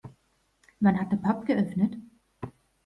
Wann hat der Pub geöffnet?